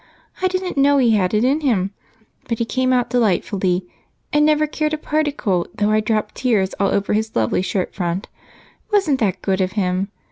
I didn't know he had it in him, but he came out delightfully and never cared a particle, though I dropped tears all over his lovely shirtfront. Wasn't that good of him?